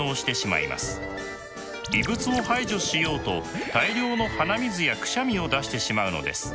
異物を排除しようと大量の鼻水やくしゃみを出してしまうのです。